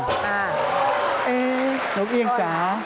นกเอียงจ๊ะ